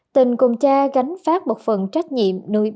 tình cùng cha gánh phát một phần trách nhiệm nuôi ba đứa em thơ dại